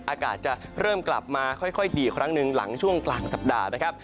อากาศจะเริ่มกลับมาค่อยดีอีกครั้งหนึ่งหลังช่วงกลางสัปดาห์นะครับ